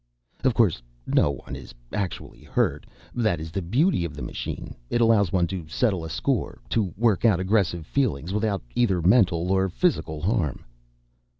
_Of course no one is actually hurt. That is the beauty of the machine. It allows one to settle a score, to work out aggressive feelings, without either mental or physical harm.